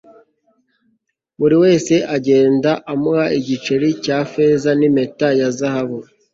buri wese agenda amuha igiceri cya feza, n'impeta ya zahabu